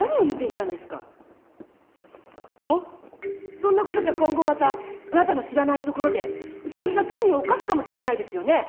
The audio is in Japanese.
そんな事じゃ今後またあなたの知らないところでウサギが罪を犯すかもしれないですよね？